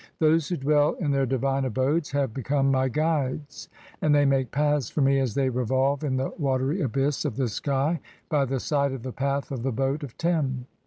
"Those who dwell (3) in their divine abodes have become my "guides, and they make paths for me as thev revolve in the "watery abyss of the sky by the side of the path of the boat of "Tem.